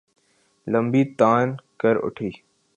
لمبی تان کر اُٹھی